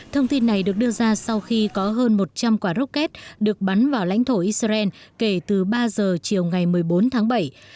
thông tin này được đưa ra sau khi có hơn một trăm linh quả rocket được bắn vào lãnh thổ israel kể từ ba giờ chiều ngày một mươi bốn tháng bảy